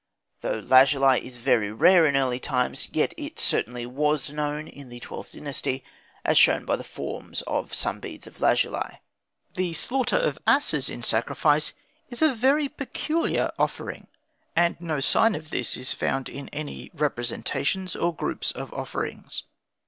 Though lazuli is very rare in early times, yet it certainly was known in the XIIth Dynasty, as shown by the forms of some beads of lazuli. The slaughter of asses in sacrifice is a very peculiar offering, and no sign of this is found in any representations or groups of offerings.